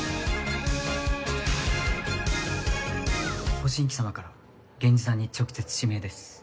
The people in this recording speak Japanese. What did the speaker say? ご新規様からゲンジさんに直接指名です